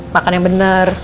makan yang bener